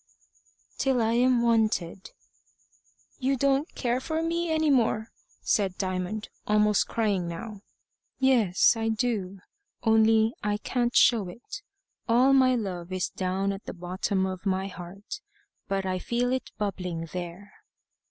"Till I'm wanted." "You don't care for me any more," said Diamond, almost crying now. "Yes I do. Only I can't show it. All my love is down at the bottom of my heart. But I feel it bubbling there."